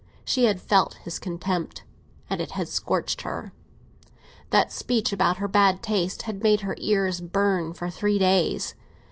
She had felt his contempt; it had scorched her; that speech about her bad taste made her ears burn for three days.